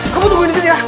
kamu tungguin disini ya